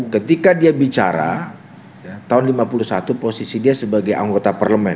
ketika dia bicara tahun seribu sembilan ratus lima puluh satu posisi dia sebagai anggota parlemen